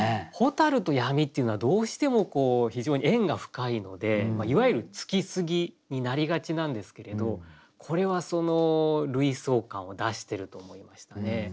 蛍と闇っていうのはどうしても非常に縁が深いのでいわゆる「つきすぎ」になりがちなんですけれどこれはその類想感を出してると思いましたね。